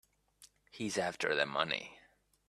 He's after the money.